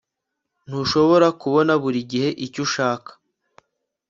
Ntushobora kubona buri gihe icyo ushaka